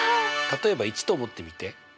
例えば１と思ってみて。